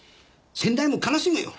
先代も悲しむよ。